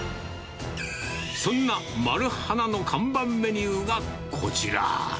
そんな丸花の看板メニューがこちら。